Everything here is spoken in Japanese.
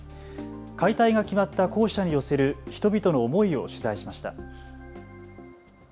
解体が決まった校舎に寄せる人々の思いを取材しました。